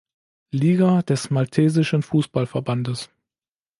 Liga des maltesischen Fußballverbandes.